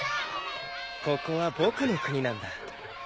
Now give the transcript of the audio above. ここは僕の国なんだ。